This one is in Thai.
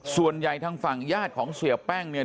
ส่วนใหญ่ทางฝั่งญาติของเสียแป้งเนี่ย